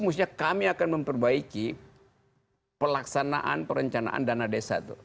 maksudnya kami akan memperbaiki pelaksanaan perencanaan dana desa